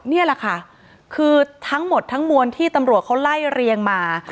นี่แหละค่ะคือทั้งหมดทั้งมวลที่ตำรวจเขาไล่เรียงมา